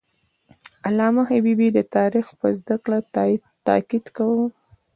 علامه حبیبي د تاریخ پر زده کړه تاکید کاوه.